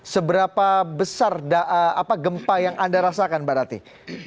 seberapa besar gempa yang anda rasakan mbak ratih